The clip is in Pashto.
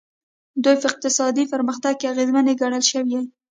دوی په اقتصادي پرمختګ کې اغېزمنې ګڼل شوي.